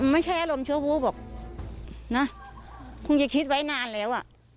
ไม่ใช่อารมณ์ชั่ววู้บอกนะคงจะคิดไว้นานแล้วอ่ะ